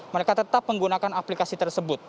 mereka tetap menggunakan aplikasi tersebut